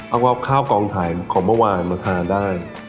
เอาข้าวกองถ่ายของเมื่อวานมาทานได้